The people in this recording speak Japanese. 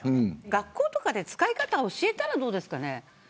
学校とかで使い方を教えたらどうですかね。